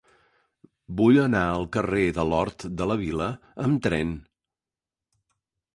Vull anar al carrer de l'Hort de la Vila amb tren.